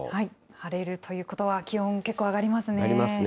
晴れるということは、気温結上がりますね。